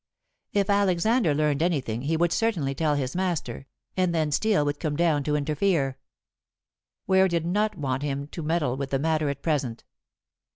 If Alexander learned anything he would certainly tell his master, and then Steel would come down to interfere. Ware did not want him to meddle with the matter at present.